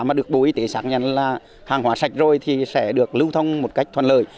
mà được bộ y tế xác nhận là hàng hóa sạch rồi thì sẽ được lưu thông một cách thuận lợi